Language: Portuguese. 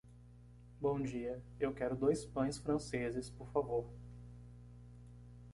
Bom dia! Eu quero dois pães franceses, por favor.